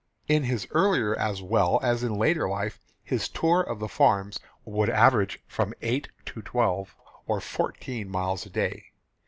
In his earlier as well as in later life, his tour of the farms would average from eight to twelve or fourteen miles a day.